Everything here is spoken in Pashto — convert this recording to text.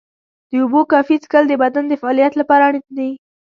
د اوبو کافي څښل د بدن د فعالیت لپاره اړین دي.